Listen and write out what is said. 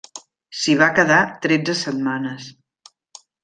S'hi va quedar tretze setmanes.